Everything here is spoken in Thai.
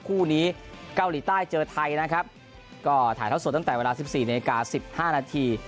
คู่นี้เกาหลีใต้เจอไทยนะครับก็ถ่ายเท่าสดตั้งแต่เวลาสิบสี่นาฬิกาสิบห้านาที